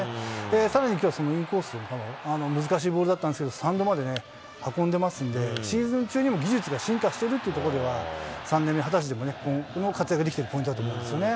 さらにきょうはそのインコース、難しいボールだったんですけど、スタンドまで運んでますんで、シーズン中にも技術が進化してるというところでは、３年目、２０歳でもね、この活躍ができてるポイントだと思うんですよね。